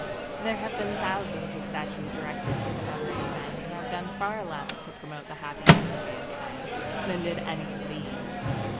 There have been thousands of statues erected to the memory of men who have done far less to promote the happiness of mankind than did any of these.